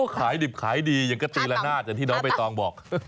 ว่าขายดิบขายดียังกระตูละนาจอย่างที่น้องเบตองบอก